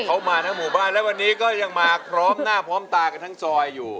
เขามาทั้งหมู่บ้านและวันนี้ก็ยังมาพร้อมหน้าพร้อมตากันทั้งซอยอยู่